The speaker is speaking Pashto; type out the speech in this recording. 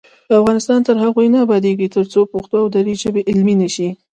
افغانستان تر هغو نه ابادیږي، ترڅو پښتو او دري ژبې علمي نشي.